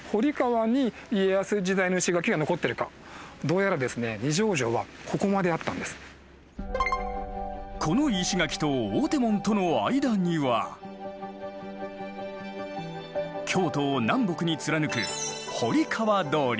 恐らくこの石垣と大手門との間には京都を南北に貫く堀川通。